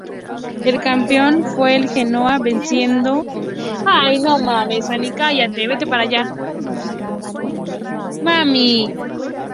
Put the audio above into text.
El campeón fue el Genoa, venciendo en la final al Milan.